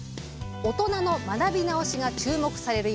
大人の学び直しが注目される